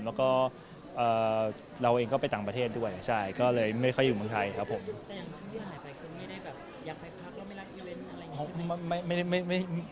แต่อย่างช่วงที่หายไปคือไม่ได้แบบอยากไปพักแล้วไม่รักอีเว้นอะไรอย่างนี้ใช่ไหม